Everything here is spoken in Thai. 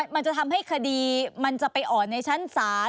มันจะทำให้คดีมันจะไปอ่อนในชั้นศาล